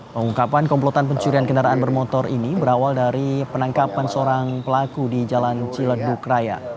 pengungkapan komplotan pencurian kendaraan bermotor ini berawal dari penangkapan seorang pelaku di jalan ciledug raya